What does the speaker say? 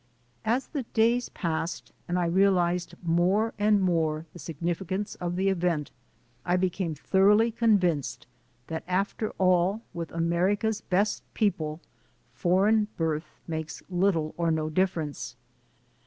As the days passed and I realized more and more the significance of the event, I became thoroughly convinced that after all with America's best peo ple, foreign birth makes little or no difference.